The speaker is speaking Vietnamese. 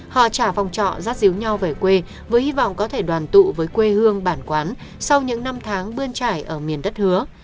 họ trả phòng trọ rát giếu nhau về quê với hy vọng có thể đoàn tụ với quê hương bản quán sau những năm tháng bươn trải ở miền đất hứa